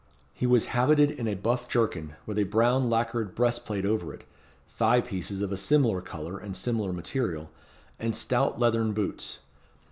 He was habited in a buff jerkin, with a brown, lackered, breast plate over it, thigh pieces of a similar colour and similar material, and stout leathern boots.